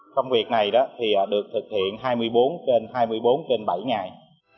công việc này được thực hiện hai mươi bốn trên hai mươi bốn trên bảy ngày